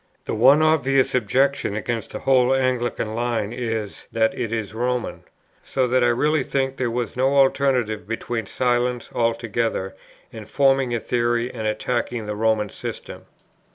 The one obvious objection against the whole Anglican line is, that it is Roman; so that I really think there was no alternative between silence altogether, and forming a theory and attacking the Roman system."